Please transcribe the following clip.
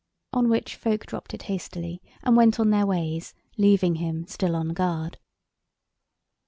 On which folk dropped it hastily and went their ways, leaving him still on guard.